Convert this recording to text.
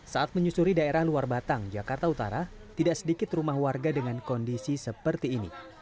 saat menyusuri daerah luar batang jakarta utara tidak sedikit rumah warga dengan kondisi seperti ini